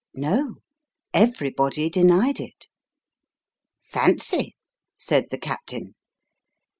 No ; everybody denied it. ' Fancy," said the captain.